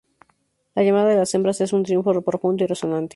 La llamada de las hembras es un trino profundo y resonante.